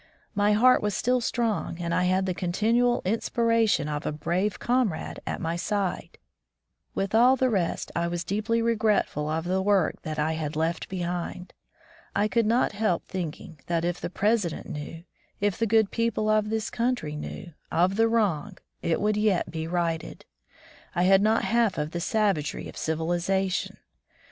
My heart was still strong, and I had the continual inspiration of a brave comrade at my side. 1S8 Civilization as Preached and Practised With all the rest, I was deeply regretful of the work that I had left behind. I could not help thinking that if the President knew, if the good people of this country knew, of the wrong, it would yet be righted. I had not seen half of the savagery of civilization